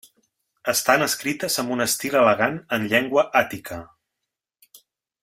Estan escrites amb un estil elegant en llengua àtica.